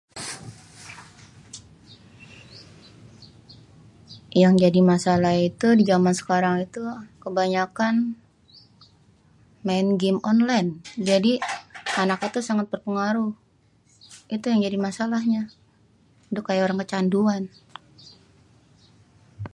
Yang jadi masalah itu di jaman sekarang itu kebanyakan main gem onlen jadi anaknya tu sangat terpengaruh. Itu yang jadi masalahnya, udah kayak orang kecanduan.